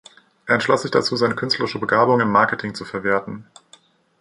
Er entschloss sich dazu, seine künstlerische Begabung im Marketing zu verwerten.